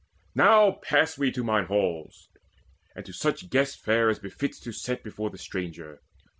Now pass we to mine halls, And to such guest fare as befits to set Before the stranger.